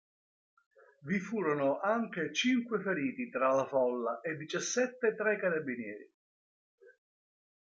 Vi furono anche cinque feriti tra la folla e diciassette tra i carabinieri.